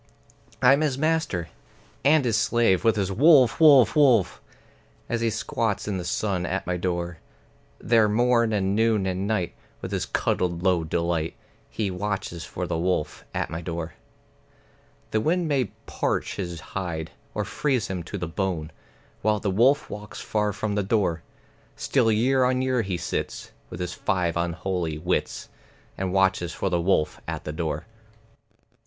I'm his master (and his slave, with his "Wolf, wolf, wolf!") As he squats in the sun at my door. There morn and noon and night, with his cuddled low delight, He watches for the wolf at my door. The wind may parch his hide, or freeze him to the bone, While the wolf walks far from the door; Still year on year he sits, with his five unholy wits, And watches for the wolf at the door.